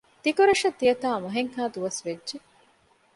ދިގުރަށަށް ދިޔަތާ މަހެއްހައި ދުވަސް ވެއްޖެ